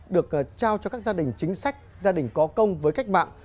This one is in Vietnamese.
được trao cho các gia đình chính sách gia đình có công với cách mạng